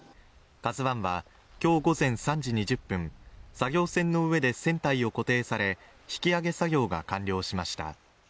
「ＫＡＺＵⅠ」は今日午前３時２０分、作業船の上で船体を固定され、引き揚げ作業が完了しました。